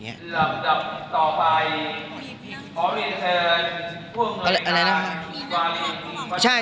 มีนั่งพักทำไม